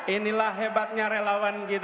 inilah hebatnya relawan kita